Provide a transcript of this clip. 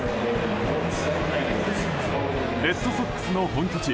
レッドソックスの本拠地